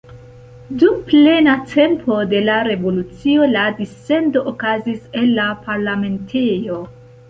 Dum plena tempo de la revolucio la dissendo okazis el la parlamentejo.